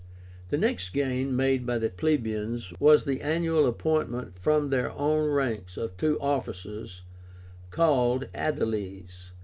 The next gain made by the plebeians was the annual appointment from their own ranks of two officers, called AEDILES.